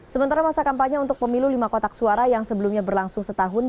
sementara masa kampanye untuk pemilu lima kotak suara yang sebelumnya berlangsung setahun